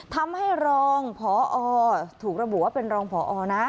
ทำให้รองพอถูกระบุว่าเป็นรองพอนะ